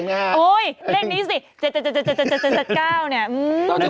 อื้มมันจะได้เจ็บใจ